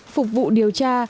phục vụ điều tra